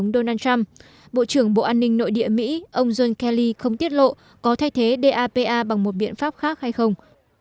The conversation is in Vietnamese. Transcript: bộ trưởng bộ an ninh nội địa mỹ ông john kelly không tiết lộ có thay thế dapa bằng một biện pháp khác hay không